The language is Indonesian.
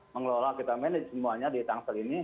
mengelola kita manage semuanya di tangsel ini